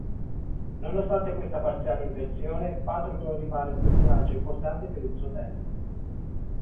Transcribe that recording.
Nonostante questa parziale inversione, Patroclo rimane un personaggio importante per il suo tempo.